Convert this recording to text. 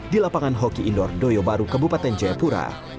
di lapangan hoki indoor doyobaru kabupaten jayapura